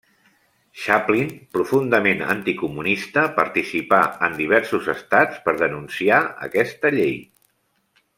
Chaplin, profundament anticomunista, participà en diversos estats per denunciar aquesta llei.